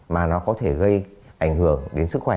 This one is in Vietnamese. mà nó có thể gây ảnh hưởng đến sức khỏe